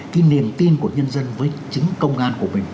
cái niềm tin của nhân dân với chính công an của mình